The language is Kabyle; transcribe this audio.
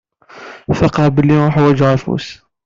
Faqeɣ belli uḥwaǧeɣ afus.